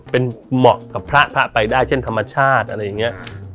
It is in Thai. เป็นเหมาะกับพระพระไปได้เช่นธรรมชาติอะไรอย่างนี้